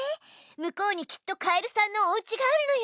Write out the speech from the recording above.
向こうにきっとカエルさんのおうちがあるのよ。